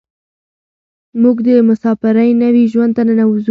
موږ د مساپرۍ نوي ژوند ته ننوځو.